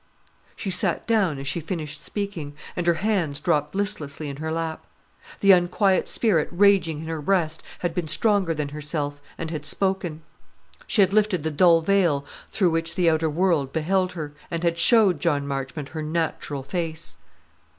She sat down as she finished speaking, and her hands dropped listlessly in her lap. The unquiet spirit raging in her breast had been stronger than herself, and had spoken. She had lifted the dull veil through which the outer world beheld her, and had showed John Marchmont her natural face.